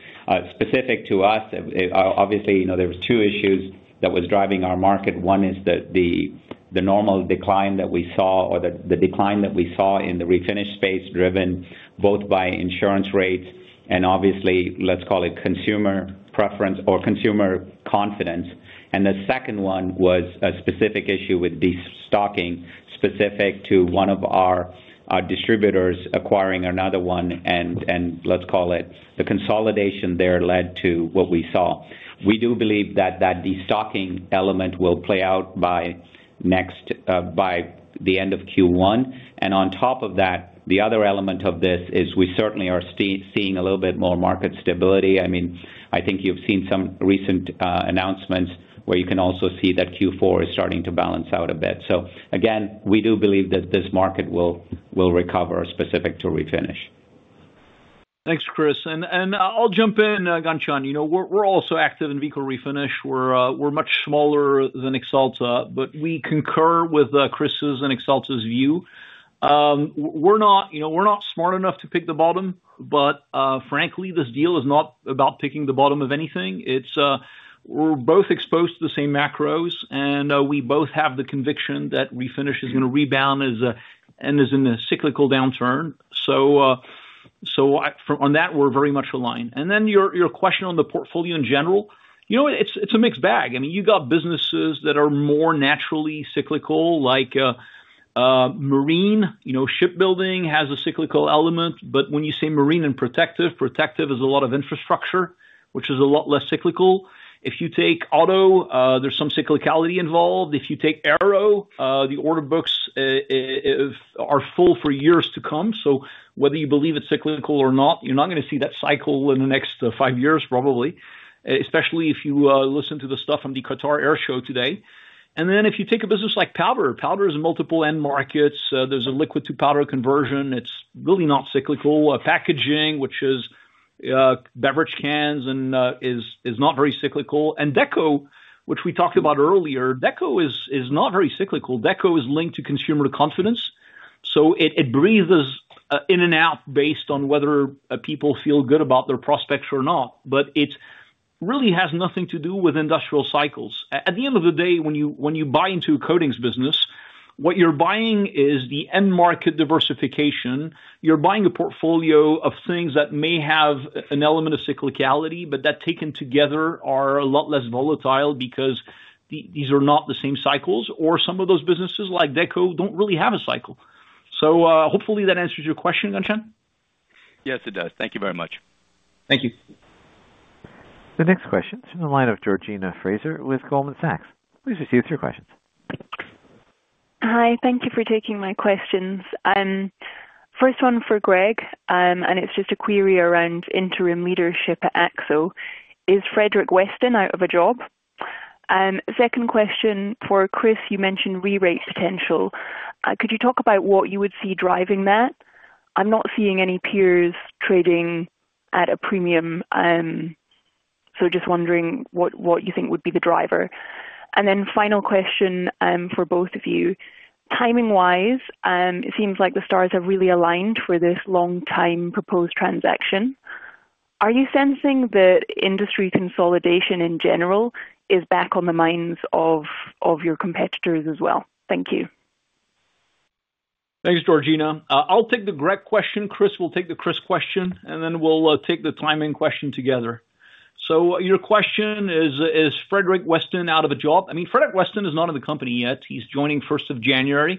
Specific to us, obviously, there were two issues that were driving our market. One is the normal decline that we saw or the decline that we saw in the refinish space driven both by insurance rates and, obviously, let's call it consumer preference or consumer confidence. The second one was a specific issue with destocking specific to one of our distributors acquiring another one. Let's call it the consolidation there led to what we saw. We do believe that that destocking element will play out by the end of Q1. On top of that, the other element of this is we certainly are seeing a little bit more market stability. I mean, I think you've seen some recent announcements where you can also see that Q4 is starting to balance out a bit. Again, we do believe that this market will recover specific to refinish. Thanks, Chris. I'll jump in, Ghansham. We're also active in vehicle refinish. We're much smaller than Axalta, but we concur with Chris's and Axalta's view. We're not smart enough to pick the bottom, but frankly, this deal is not about picking the bottom of anything. We're both exposed to the same macros, and we both have the conviction that refinish is going to rebound and is in a cyclical downturn. On that, we're very much aligned. Your question on the portfolio in general, it's a mixed bag. I mean, you've got businesses that are more naturally cyclical, like marine. Shipbuilding has a cyclical element. When you say marine and protective, protective is a lot of infrastructure, which is a lot less cyclical. If you take auto, there's some cyclicality involved. If you take aero, the order books are full for years to come. Whether you believe it's cyclical or not, you're not going to see that cycle in the next five years, probably, especially if you listen to the stuff on the Qatar Air Show today. If you take a business like powder, powder is in multiple end markets. There's a liquid-to-powder conversion. It's really not cyclical. Packaging, which is beverage cans, is not very cyclical. Deco, which we talked about earlier, Deco is not very cyclical. Deco is linked to consumer confidence. It breathes in and out based on whether people feel good about their prospects or not, but it really has nothing to do with industrial cycles. At the end of the day, when you buy into a coatings business, what you're buying is the end market diversification. You're buying a portfolio of things that may have an element of cyclicality, but that taken together are a lot less volatile because these are not the same cycles. Some of those businesses like Deco do not really have a cycle. Hopefully that answers your question, Ghansham. Yes, it does. Thank you very much. Thank you. The next question is from the line of Georgina Fraser with Goldman Sachs. Please proceed with your questions. Hi. Thank you for taking my questions. First one for Greg, and it's just a query around interim leadership at Akzo. Is Frederick Weston out of a job? Second question for Chris, you mentioned re-rate potential. Could you talk about what you would see driving that? I'm not seeing any peers trading at a premium, so just wondering what you think would be the driver. Final question for both of you. Timing-wise, it seems like the stars are really aligned for this long-time proposed transaction. Are you sensing that industry consolidation in general is back on the minds of your competitors as well? Thank you. Thanks, Georgina. I'll take the Greg question. Chris will take the Chris question, and then we'll take the timing question together. Your question is, is Frederick Weston out of a job? I mean, Frederick Weston is not in the company yet. He's joining 1st of January.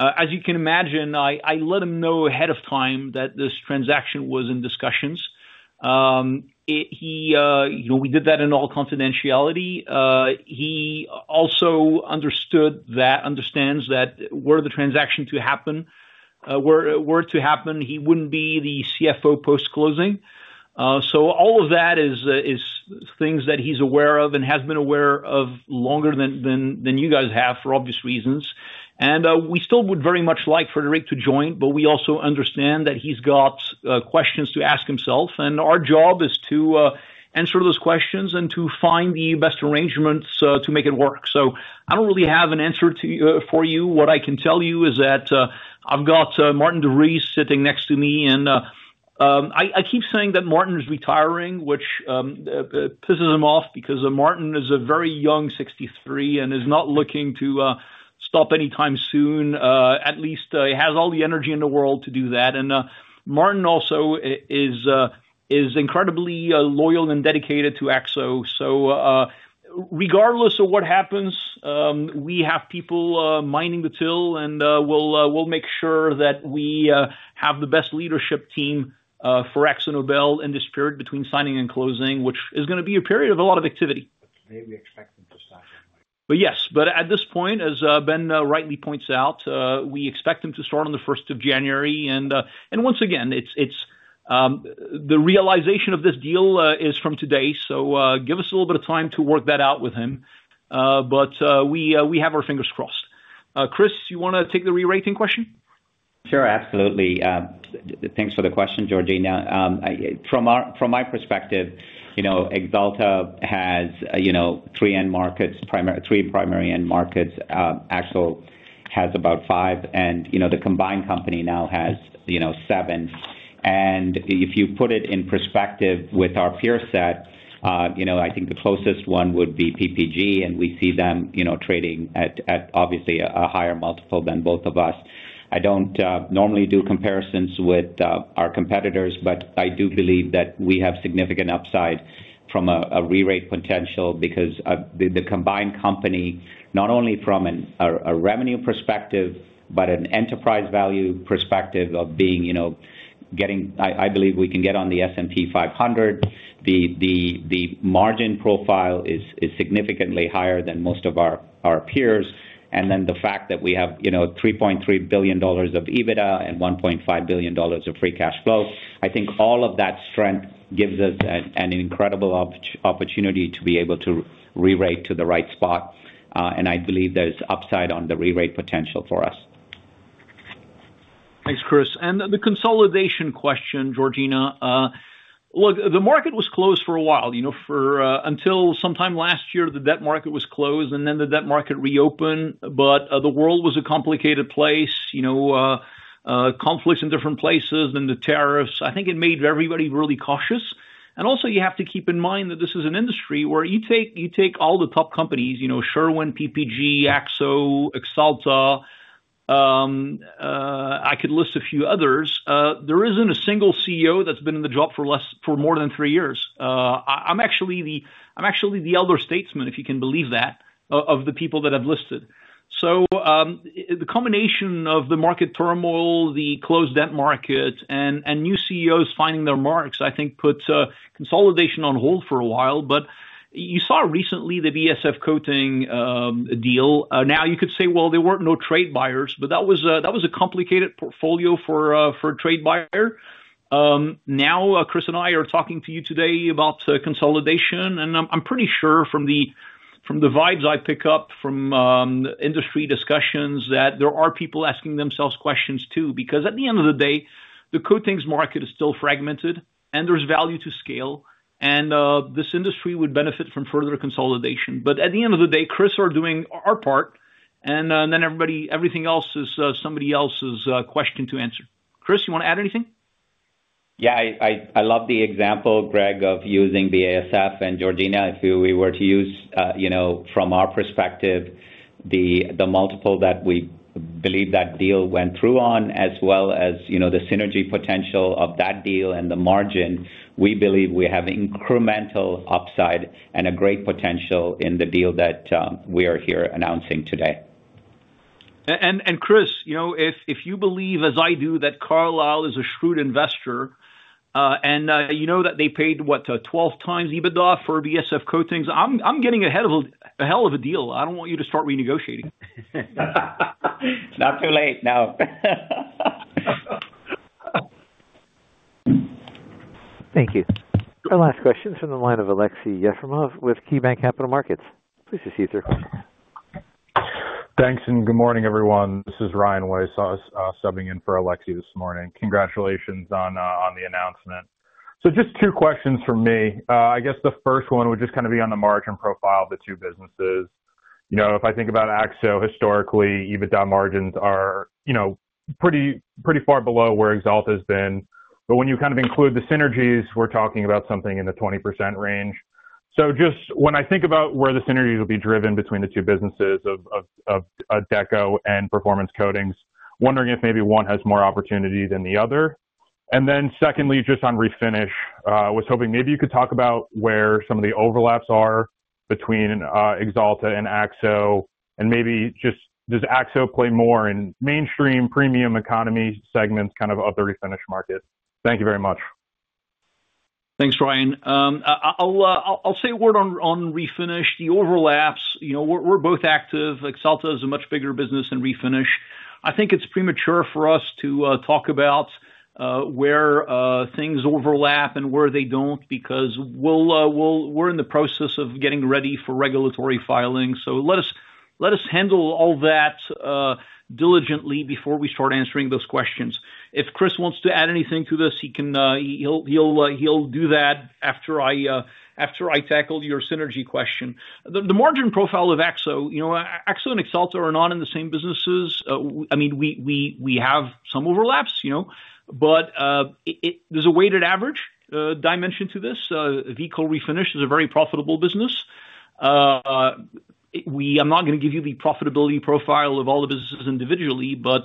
As you can imagine, I let him know ahead of time that this transaction was in discussions. We did that in all confidentiality. He also understood that, understands that were the transaction to happen, were to happen, he wouldn't be the CFO post-closing. All of that is things that he's aware of and has been aware of longer than you guys have for obvious reasons. We still would very much like Frederick to join, but we also understand that he's got questions to ask himself. Our job is to answer those questions and to find the best arrangements to make it work. I do not really have an answer for you. What I can tell you is that I have got Maarten de Vries sitting next to me. I keep saying that Maarten is retiring, which pisses him off because Maarten is very young, 63, and is not looking to stop anytime soon. At least he has all the energy in the world to do that. Maarten also is incredibly loyal and dedicated to AkzoNobel. Regardless of what happens, we have people mining the till, and we will make sure that we have the best leadership team for AkzoNobel in this period between signing and closing, which is going to be a period of a lot of activity. Maybe expect him to start. Yes. At this point, as Ben rightly points out, we expect him to start on the 1st of January. Once again, the realization of this deal is from today. Give us a little bit of time to work that out with him. We have our fingers crossed. Chris, you want to take the re-rating question? Sure. Absolutely. Thanks for the question, Georgina. From my perspective, Axalta has three primary end markets. Akzo has about five. The combined company now has seven. If you put it in perspective with our peer set, I think the closest one would be PPG, and we see them trading at obviously a higher multiple than both of us. I do not normally do comparisons with our competitors, but I do believe that we have significant upside from a re-rate potential because the combined company, not only from a revenue perspective, but an enterprise value perspective of getting, I believe we can get on the S&P 500, the margin profile is significantly higher than most of our peers. The fact that we have $3.3 billion of EBITDA and $1.5 billion of free cash flow, I think all of that strength gives us an incredible opportunity to be able to re-rate to the right spot. I believe there is upside on the re-rate potential for us. Thanks, Chris. The consolidation question, Georgina. Look, the market was closed for a while until sometime last year, the debt market was closed, and then the debt market reopened. The world was a complicated place, conflicts in different places, then the tariffs. I think it made everybody really cautious. Also, you have to keep in mind that this is an industry where you take all the top companies, Sherwin-Williams, PPG, AkzoNobel, Axalta, I could list a few others. There isn't a single CEO that's been in the job for more than three years. I'm actually the elder statesman, if you can believe that, of the people that have listed. The combination of the market turmoil, the closed debt market, and new CEOs finding their marks, I think, put consolidation on hold for a while. You saw recently the BASF coating deal. Now, you could say, well, there were no trade buyers, but that was a complicated portfolio for a trade buyer. Now, Chris and I are talking to you today about consolidation. I'm pretty sure from the vibes I pick up from industry discussions that there are people asking themselves questions too because at the end of the day, the coatings market is still fragmented, and there's value to scale. This industry would benefit from further consolidation. At the end of the day, Chris and I are doing our part. Everything else is somebody else's question to answer. Chris, you want to add anything? Yeah. I love the example, Greg, of using BASF and Georgina. If we were to use, from our perspective, the multiple that we believe that deal went through on, as well as the synergy potential of that deal and the margin, we believe we have incremental upside and a great potential in the deal that we are here announcing today. Chris, if you believe, as I do, that Carlyle is a shrewd investor and you know that they paid, what, 12x EBITDA for BASF Coatings, I'm getting a hell of a deal. I don't want you to start renegotiating. Not too late. No. Thank you. The last question is from the line of Alexey Efimov with KeyBank Capital Markets. Please proceed with your question. Thanks. Good morning, everyone. This is Ryan Weis subbing in for Alexei this morning. Congratulations on the announcement. Just two questions for me. I guess the first one would just kind of be on the margin profile of the two businesses. If I think about Akzo, historically, EBITDA margins are pretty far below where Axalta has been. When you kind of include the synergies, we're talking about something in the 20% range. Just when I think about where the synergies will be driven between the two businesses of DECO and performance coatings, wondering if maybe one has more opportunity than the other. Secondly, just on refinish, I was hoping maybe you could talk about where some of the overlaps are between Axalta and Akzo, and maybe just does Akzo play more in mainstream premium economy segments kind of of the refinish market. Thank you very much. Thanks, Ryan. I'll say a word on refinish. The overlaps, we're both active. Axalta is a much bigger business than refinish. I think it's premature for us to talk about where things overlap and where they don't because we're in the process of getting ready for regulatory filing. Let us handle all that diligently before we start answering those questions. If Chris wants to add anything to this, he'll do that after I tackle your synergy question. The margin profile of Akzo, Akzo and Axalta are not in the same businesses. I mean, we have some overlaps, but there's a weighted average dimension to this. Vehicle refinish is a very profitable business. I'm not going to give you the profitability profile of all the businesses individually, but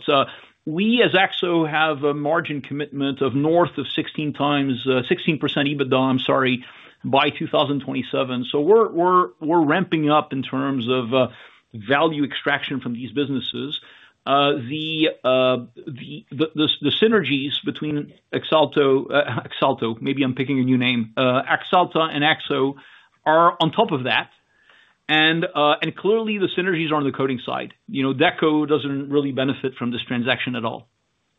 we as Akzo have a margin commitment of north of 16% EBITDA, I'm sorry, by 2027. We're ramping up in terms of value extraction from these businesses. The synergies between Axalta—Axalta, maybe I'm picking a new name—Axalta and Akzo are on top of that. Clearly, the synergies are on the coating side. Deco doesn't really benefit from this transaction at all.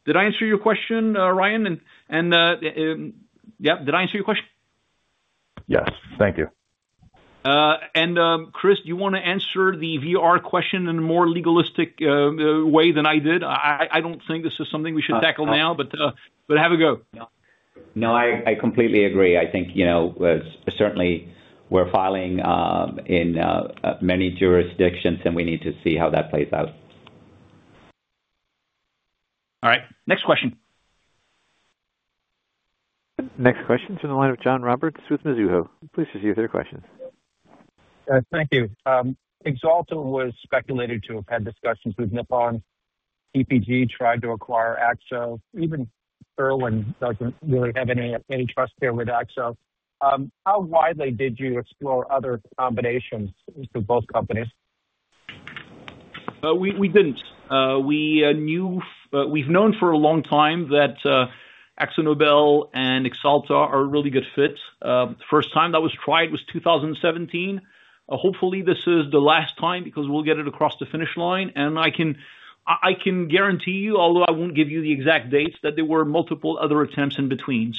Did I answer your question, Ryan? Yeah, did I answer your question? Yes. Thank you. Chris, do you want to answer the VR question in a more legalistic way than I did? I don't think this is something we should tackle now, but have a go. No, I completely agree. I think certainly we're filing in many jurisdictions, and we need to see how that plays out. All right. Next question. Next question is from the line of John Roberts with Mizuho. Please proceed with your questions. Thank you. Axalta was speculated to have had discussions with Nippon; PPG tried to acquire AkzoNobel. Even Bernstein doesn't really have any trust there with AkzoNobel. How widely did you explore other combinations for both companies? We didn't. We've known for a long time that AkzoNobel and Axalta are a really good fit. The first time that was tried was 2017. Hopefully, this is the last time because we'll get it across the finish line. I can guarantee you, although I won't give you the exact dates, that there were multiple other attempts in between.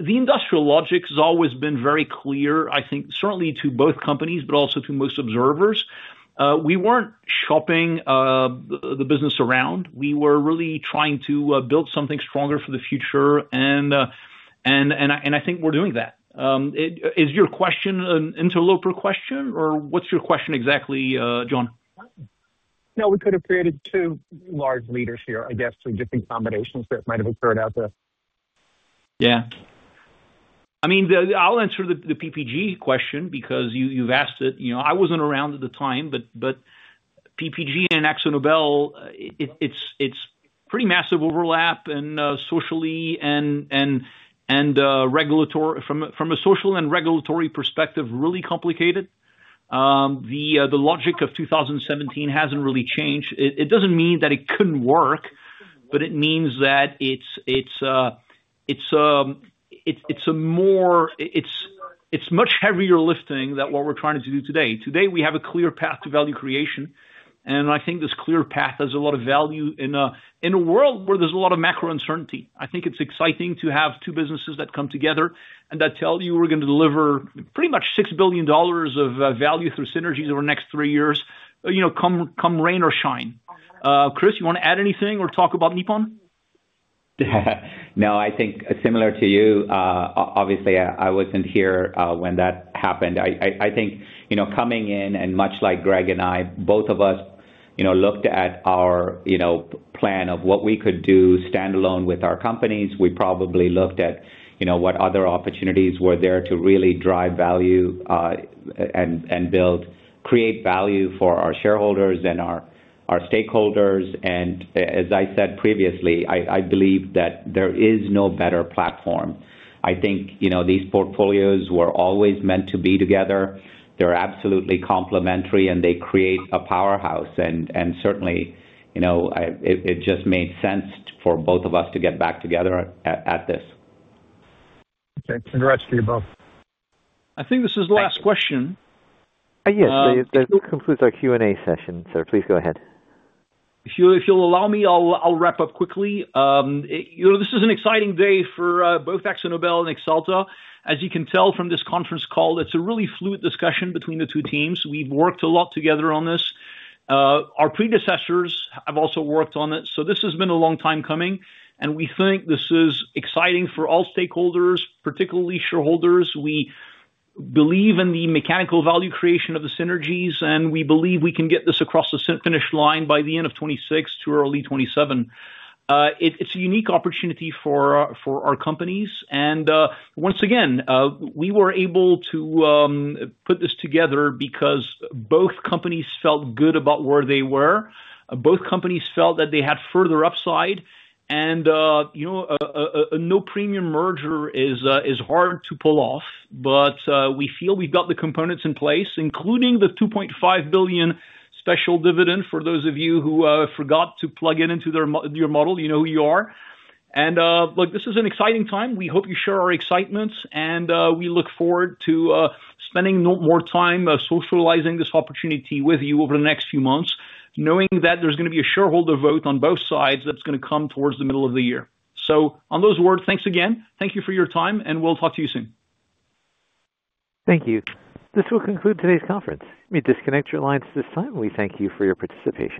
The industrial logic has always been very clear, I think, certainly to both companies, but also to most observers. We weren't shopping the business around. We were really trying to build something stronger for the future, and I think we're doing that. Is your question an interloper question, or what's your question exactly, John? No, we could have created two large leaders here, I guess, through different combinations that might have occurred out there. Yeah. I mean, I'll answer the PPG question because you've asked it. I wasn't around at the time, but PPG and AkzoNobel, it's pretty massive overlap socially and regulatory. From a social and regulatory perspective, really complicated. The logic of 2017 hasn't really changed. It doesn't mean that it couldn't work, but it means that it's a much heavier lifting than what we're trying to do today. Today, we have a clear path to value creation. I think this clear path has a lot of value in a world where there's a lot of macro uncertainty. I think it's exciting to have two businesses that come together and that tell you we're going to deliver pretty much $6 billion of value through synergies over the next three years, come rain or shine. Chris, you want to add anything or talk about Nippon? No, I think similar to you, obviously, I wasn't here when that happened. I think coming in, and much like Greg and I, both of us looked at our plan of what we could do standalone with our companies. We probably looked at what other opportunities were there to really drive value and create value for our shareholders and our stakeholders. As I said previously, I believe that there is no better platform. I think these portfolios were always meant to be together. They're absolutely complementary, and they create a powerhouse. It just made sense for both of us to get back together at this. Okay. Congrats to you both. I think this is the last question. Yes. This concludes our Q&A session. Please go ahead. If you'll allow me, I'll wrap up quickly. This is an exciting day for both AkzoNobel and Axalta. As you can tell from this conference call, it's a really fluid discussion between the two teams. We've worked a lot together on this. Our predecessors have also worked on it. This has been a long time coming. We think this is exciting for all stakeholders, particularly shareholders. We believe in the mechanical value creation of the synergies, and we believe we can get this across the finish line by the end of 2026 to early 2027. It's a unique opportunity for our companies. Once again, we were able to put this together because both companies felt good about where they were. Both companies felt that they had further upside. A no-premium merger is hard to pull off, but we feel we've got the components in place, including the 2.5 billion special dividend for those of you who forgot to plug it into your model, you know who you are. This is an exciting time. We hope you share our excitement, and we look forward to spending more time socializing this opportunity with you over the next few months, knowing that there's going to be a shareholder vote on both sides that's going to come towards the middle of the year. On those words, thanks again. Thank you for your time, and we'll talk to you soon. Thank you. This will conclude today's conference. We disconnect your lines at this time, and we thank you for your participation.